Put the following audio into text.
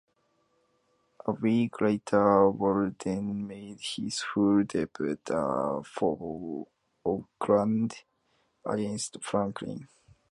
A week later Waddell made his full debut for Auckland against Franklin.